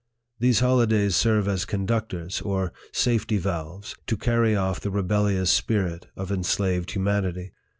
These holidays serve as conductors, or safety valves, to carry off the rebellious spirit of enslaved humanity.